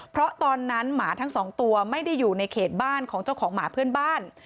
เพราะตอนนั้นหมาทั้งสองตัวไม่ได้อยู่ในเขตบ้านของเจ้าของหมาเพื่อนบ้าน